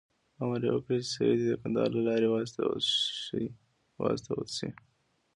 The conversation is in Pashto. امر یې وکړ چې سید دې د کندهار له لارې وایستل شي.